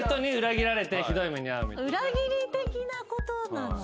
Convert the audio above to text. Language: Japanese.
裏切り的なことなのか。